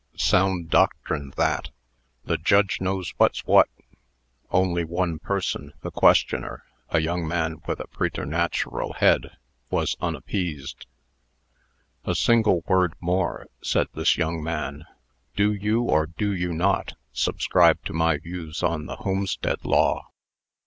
"Sound doctrine, that!" "The Judge knows what's what!" Only one person, the questioner, a young man with a preternatural head, was unappeased. "A single word more," said this young man. "Do you, or do you not, subscribe to my views on the Homestead Law?"